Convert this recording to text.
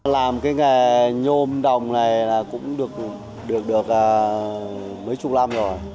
làm cái nghề nhôm đồng này là cũng được mấy chục năm rồi